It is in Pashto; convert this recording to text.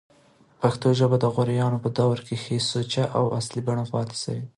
پښتو ژبه دغوریانو په دوره کښي سوچه او په اصلي بڼه پاته سوې ده.